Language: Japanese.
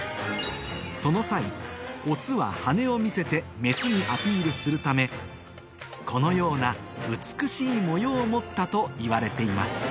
その際オスは羽を見せてメスにアピールするためこのような美しい模様を持ったといわれています